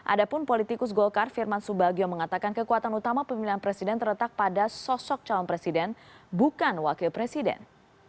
ada pun politikus golkar firman subagio mengatakan kekuatan utama pemilihan presiden terletak pada sosok calon presiden bukan wakil presiden